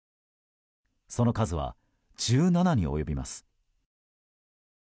その数は１７に及びます。